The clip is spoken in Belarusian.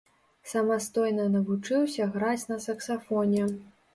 Самастойна навучыўся граць на саксафоне.